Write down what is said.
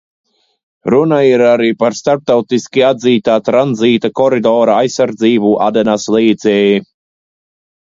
Runa ir arī par starptautiski atzītā tranzīta koridora aizsardzību Adenas līcī.